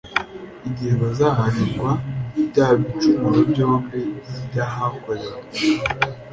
igihe bazahanirwa bya bicumuro byombi byahakorewe.